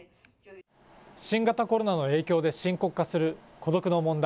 新型コロナの影響で深刻化する孤独の問題。